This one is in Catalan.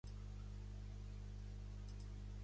El motor de la base de dades el va escriure Thomas Mueller.